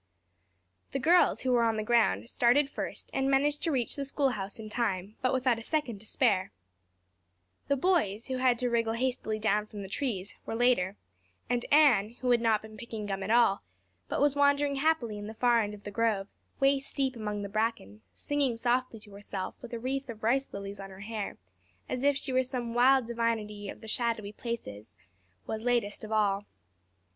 The girls who were on the ground, started first and managed to reach the schoolhouse in time but without a second to spare. The boys, who had to wriggle hastily down from the trees, were later; and Anne, who had not been picking gum at all but was wandering happily in the far end of the grove, waist deep among the bracken, singing softly to herself, with a wreath of rice lilies on her hair as if she were some wild divinity of the shadowy places, was latest of all.